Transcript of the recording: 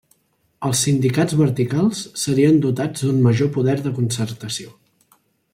Els sindicats verticals serien dotats d'un major poder de concertació.